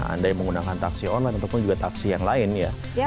anda yang menggunakan taksi online ataupun juga taksi yang lain ya